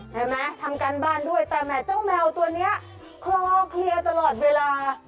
เห็นไหมทำการบ้านด้วยแต่แหมเจ้าแมวตัวนี้คลอเคลียร์ตลอดเวลา